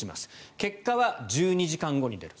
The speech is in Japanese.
結果は１２時間後に出ます。